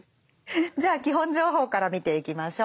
じゃあ基本情報から見ていきましょう。